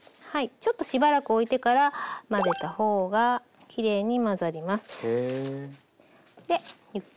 ちょっとしばらくおいてから混ぜた方がきれいに混ざります。